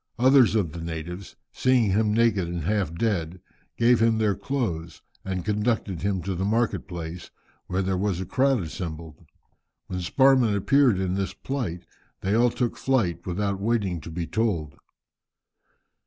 Others of the natives, seeing him naked and half dead, gave him their clothes, and conducted him to the market place, where there was a crowd assembled. When Sparrman appeared in this plight, they all took flight, without waiting to be told.